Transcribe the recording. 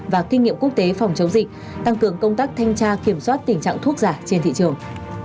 và kinh nghiệm quốc tế phòng chống dịch tăng cường công tác thanh tra kiểm soát tình trạng thuốc giả trên thị trường